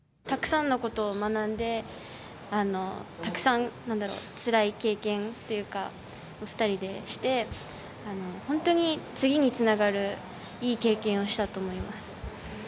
たくさんのことを学んでたくさんつらい経験というか２人でして本当に次につながるいい経験をしたと思います。